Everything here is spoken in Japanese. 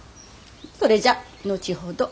それじゃ後ほど。